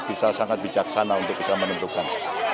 bisa sangat bijaksana untuk bisa menentukan